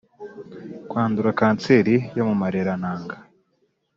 Kwandura kanseri yo mumarera ntanga